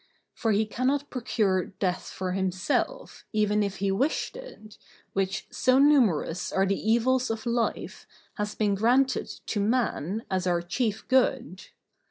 For he cannot procure death for himself, even if he wished it, which, so numerous are the evils of life, has been granted to man as our chief good.